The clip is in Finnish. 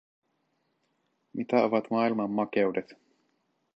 Mitä ovat maailman makeudet?